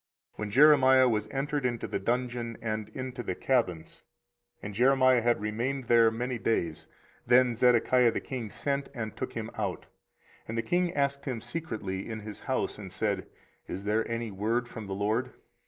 24:037:016 When Jeremiah was entered into the dungeon, and into the cabins, and Jeremiah had remained there many days; 24:037:017 Then Zedekiah the king sent, and took him out: and the king asked him secretly in his house, and said, Is there any word from the LORD?